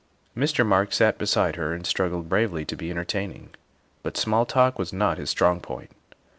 Mr. Marks sat beside her and struggled bravely to be entertaining, but small talk was not his strong point.